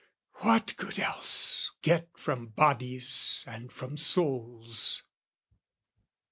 What good else get from bodies and from souls?